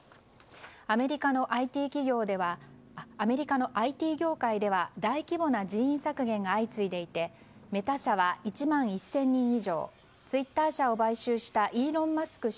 アメリカのＩＴ業界では大規模な人員削減が相次いでいてメタ社は１万１０００人以上ツイッター社を買収したイーロン・マスク